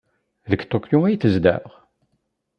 Deg Tokyo ay tzedɣeḍ?